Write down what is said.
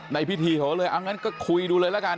ในพิธีเขาก็เลยเอางั้นก็คุยดูเลยละกัน